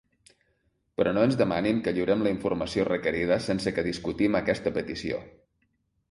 Però no ens demanin que lliurem la informació requerida sense que discutim aquesta petició.